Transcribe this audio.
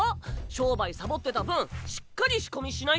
商売サボってた分しっかり仕込みしないと。